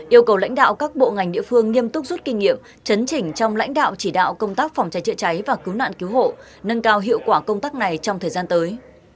yêu cầu lãnh đạo các bộ ngành địa phương nghiêm túc rút kinh nghiệm chấn chỉnh trong lãnh đạo chỉ đạo công tác phòng cháy chữa cháy và cứu nạn cứu hộ nâng cao hiệu quả công tác này trong thời gian tới